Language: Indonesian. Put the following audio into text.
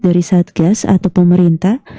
dari satgas atau pemerintah